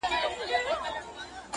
تابعدارې کوو چې ویل يې